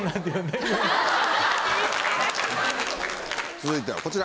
続いてはこちら。